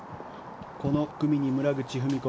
この組に村口史子